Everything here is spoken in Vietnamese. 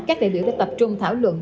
các đại biểu đã tập trung thảo luận